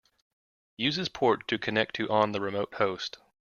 Use this port to connect to on the remote host.